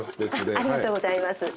ありがとうございます。